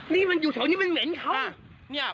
นี่มันอยู่แถวนี้มันเหม็นเขา